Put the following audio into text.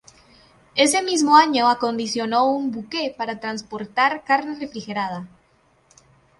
Ese mismo año acondicionó un buque para transportar carne refrigerada.